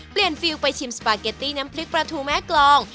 เปลี่ยนฟิลไปชิมสปาเก็ตตี้น้ำพลิกปลาทูแม่กลอง